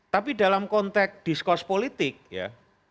tapi dalam konteks diskus politik ya